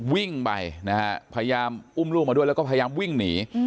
วิ่งไปนะฮะพยายามอุ้มลูกมาด้วยแล้วก็พยายามวิ่งหนี